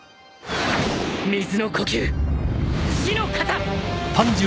水の呼吸肆ノ型！